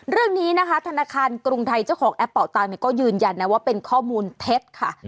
เรื่องนี้นะคะธนาคารกรุงไทยเจ้าของแอปเป่าตังค์ก็ยืนยันนะว่าเป็นข้อมูลเท็จค่ะ